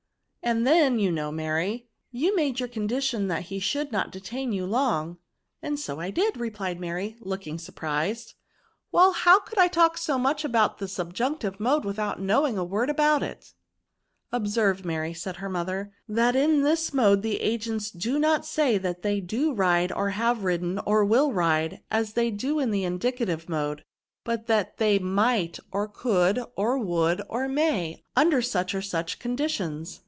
And then you know, Mary, you mac!e your condition that he should not detain you long.'* "So I did,'* replied Maiy, looking sur* VERBS. S23 pf ised. " Well, how could I talk so much in the subjunctive mode without knowing a word about it ?*'Observe, Mary," said her mother^ " that in this mode the agents do not say that they do ride, or have ridden, or will ride, as they do in the indicative mode ; but that they mighty or could, or would, or may, under such or such conditions."